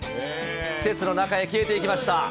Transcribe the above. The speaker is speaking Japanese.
施設の中に消えていきました。